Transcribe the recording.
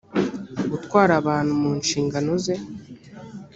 gutwara abantu mu nshingano ze